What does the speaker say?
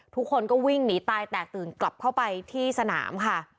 ทุกคนก็วิ่งหนีตายแตกตื่นกลับเข้าไปที่สนามค่ะ